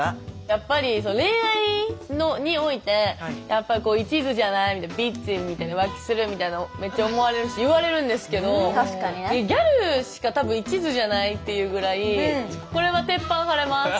やっぱり恋愛においてやっぱりいちずじゃないみたいなビッチみたいな浮気するみたいなめっちゃ思われるし言われるんですけどギャルしか多分いちずじゃないっていうぐらいこれは鉄板張れます。